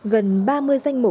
gần ba mươi danh mộ